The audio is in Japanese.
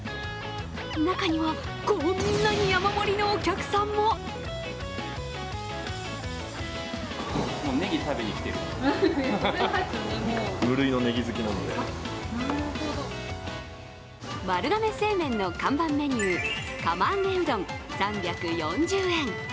中には、こんなに山盛りのお客さんも丸亀製麺の看板メニュー釜揚げうどん３４０円。